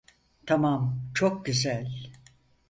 Tamam, çok güzel.